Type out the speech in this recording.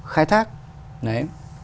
khai thác đấy